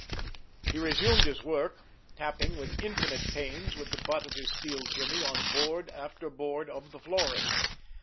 He resumed his work, tapping with infinite pains with the butt of his steel jimmy on board after board of the flooring.